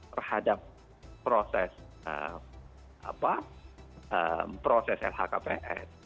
terhadap proses lhkpn